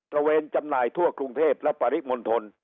ระเวนจำหน่ายทั่วกรุงเทพและปริมณฑล